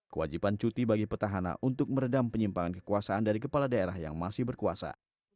kewajiban cuti bagi petahana untuk meredam penyimpangan kekuasaan dari kepala daerah yang masih berkuasa